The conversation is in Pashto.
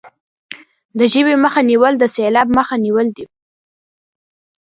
د ژبې مخه نیول د سیلاب مخه نیول دي.